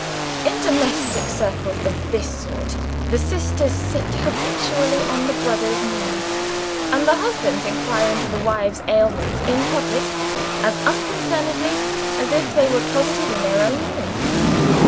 In domestic circles of this sort the sisters sit habitually on the brothers' knees; and the husbands inquire into the wives' ailments, in public, as unconcernedly as if they were closeted in their own room.